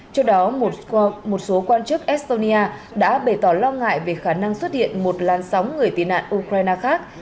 trước đó một số quan chức estonia đã bày tỏ lo ngại về khả năng xuất hiện một làn sóng người tị nạn ukraine khác